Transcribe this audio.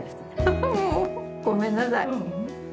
フフごめんなさい。